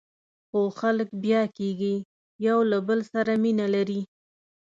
خو خلک بیا کېږي، یو له بل سره مینه لري.